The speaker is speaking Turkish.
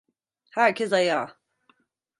Herkes ayağa!